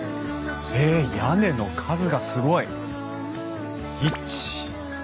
えっ屋根の数がすごい！